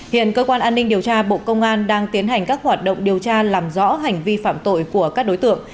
hiện cơ quan an ninh điều tra bộ công an đang tiến hành các hoạt động điều tra làm rõ hành vi phạm tội của các đối tượng